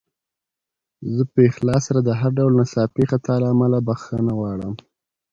زه په اخلاص سره د هر ډول ناڅاپي خطا له امله بخښنه غواړم.